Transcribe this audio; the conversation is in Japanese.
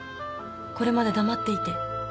これまで黙っていて。